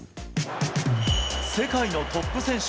世界のトップ選手